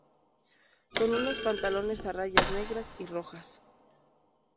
Con unos pantalones a rayas negras y rojas.